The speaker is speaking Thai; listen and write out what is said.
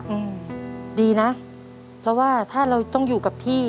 อืมดีนะเพราะว่าถ้าเราต้องอยู่กับที่